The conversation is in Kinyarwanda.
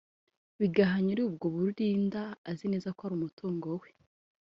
bigaha nyira bwo kuburinda azi neza ko ari umutungo we